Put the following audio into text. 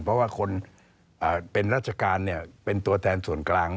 เพราะว่าคนเป็นราชการเป็นตัวแทนส่วนกลาง